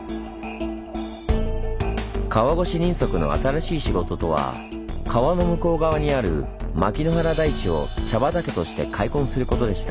川越人足の新しい仕事とは川の向こう側にある牧之原台地を茶畑として開墾することでした。